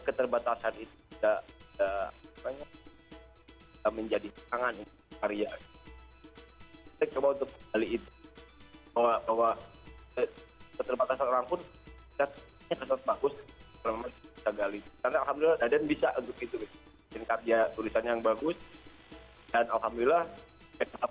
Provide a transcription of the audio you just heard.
keterbatasan tidak menjadi tangan karya itu bahwa keterbatasan orang pun bagus karena bisa